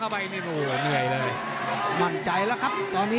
พังงัน